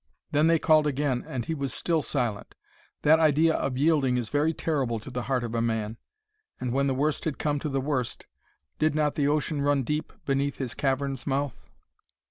Then they called again and he was still silent. That idea of yielding is very terrible to the heart of a man. And when the worst had come to the worst, did not the ocean run deep beneath his cavern's month?